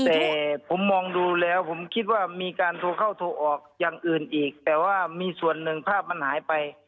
แต่ผมมองดูแล้วผมคิดว่ามีการโทรเข้าโทรออกอย่างอื่นอีกแต่ว่ามีส่วนหนึ่งภาพมันหายไป